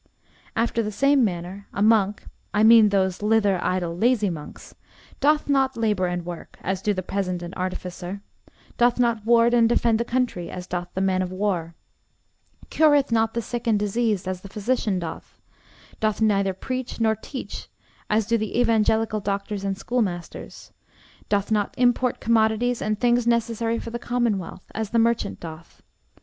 After the same manner a monk I mean those lither, idle, lazy monks doth not labour and work, as do the peasant and artificer; doth not ward and defend the country, as doth the man of war; cureth not the sick and diseased, as the physician doth; doth neither preach nor teach, as do the evangelical doctors and schoolmasters; doth not import commodities and things necessary for the commonwealth, as the merchant doth.